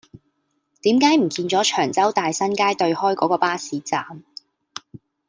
點解唔見左長洲大新街對開嗰個巴士站